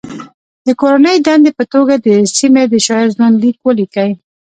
د کورنۍ دندې په توګه د سیمې د شاعر ژوند لیک ولیکئ.